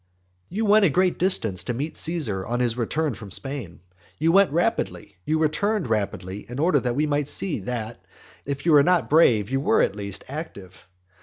XXXII. You went a great distance to meet Caesar on his return from Spain. You went rapidly, you returned rapidly in order that we might see that, if you were not brave, you were at least active.